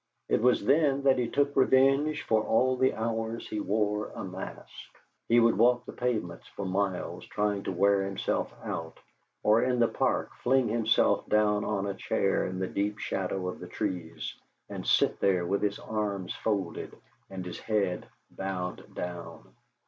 It was then that he took revenge for all the hours he wore a mask. He would walk the pavements for miles trying to wear himself out, or in the Park fling himself down on a chair in the deep shadow of the trees, and sit there with his arms folded and his head bowed down.